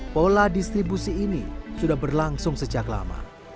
pola distribusi ini sudah berlangsung sejak lama